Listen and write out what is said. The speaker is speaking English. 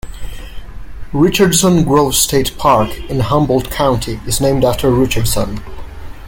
Richardson Grove State Park in Humboldt County is named after Richardson.